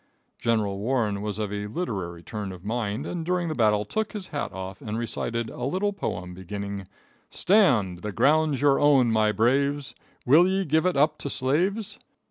General Warren was of a literary turn of mind and during the battle took his hat off and recited a little poem beginning: "Stand, the ground's your own, my braves! Will ye give it up to slaves?"